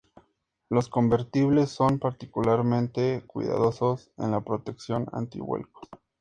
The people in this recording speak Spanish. Los convertibles son particularmente cuidadosos en la protección anti-vuelcos.